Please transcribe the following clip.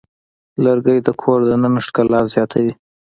لرګی د کور دننه ښکلا زیاتوي.